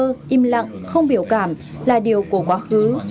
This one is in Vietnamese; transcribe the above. tình yêu ơ im lặng không biểu cảm là điều của quá khứ